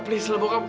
please lah bokap